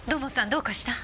どうかした？